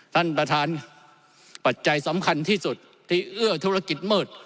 ท่านประธานปัจจัยสำคัญที่สุดที่เอื้อธุรกิจมืด